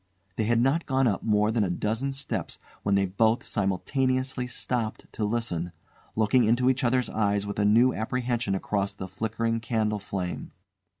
They had not gone up more than a dozen steps when they both simultaneously stopped to listen, looking into each other's eyes with a new apprehension across the flickering candle flame.